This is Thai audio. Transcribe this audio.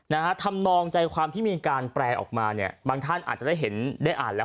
นะฮะทำนองใจความที่มีการแปลออกมาเนี่ยบางท่านอาจจะได้เห็นได้อ่านแล้ว